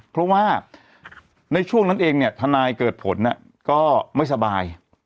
เพราะว่าในช่วงนั้นเองเนี่ยทนายเกิดผลก็ไม่สบาย